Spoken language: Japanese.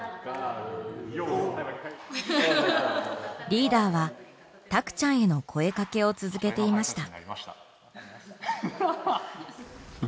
リーダーはたくちゃんへの声掛けを続けていました。